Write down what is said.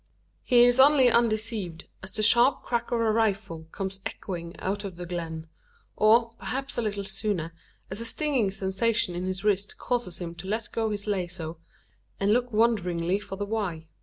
He is only undeceived, as the sharp crack of a rifle comes echoing out of the glen, or perhaps a little sooner, as a stinging sensation in his wrist causes him to let go his lazo, and look wonderingly for the why!